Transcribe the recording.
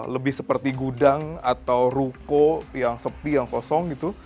lebih seperti gudang atau ruko yang sepi yang kosong gitu